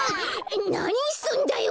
なにすんだよ